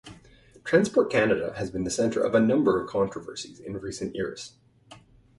Transport Canada has been the centre of a number of controversies in recent years.